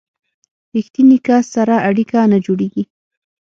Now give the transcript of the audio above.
ریښتیني کس سره اړیکه نه جوړیږي.